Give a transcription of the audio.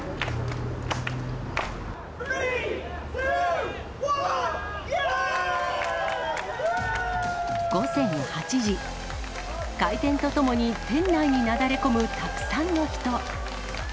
３、２、１！午前８時、開店とともに店内になだれ込む、たくさんの人。